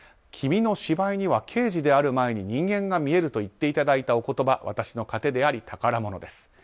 君の芝居には刑事である前に人間が見えると言っていただいたお言葉私の糧であり宝物です。